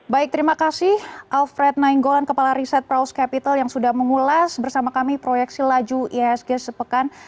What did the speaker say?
baik terima kasih alfred nainggolan kepala riset praus capital yang sudah mengulas bersama kami proyeksi laju ihsg sepekan